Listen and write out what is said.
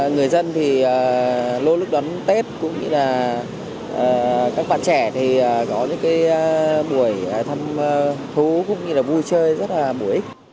người dân thì lô lức đón tết cũng như là các bạn trẻ thì có những buổi thăm thú cũng như là vui chơi rất là mùi